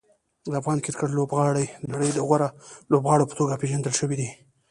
د افغان کرکټ لوبغاړي د نړۍ د غوره لوبغاړو په توګه پېژندل شوي دي.